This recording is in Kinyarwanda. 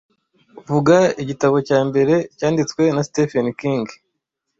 Vuga igitabo cya mbere cyanditswe na Stephen King